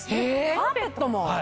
カーペットも？